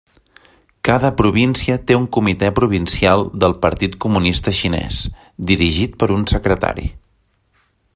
Cada província té un comitè provincial del Partit Comunista Xinès, dirigit per un secretari.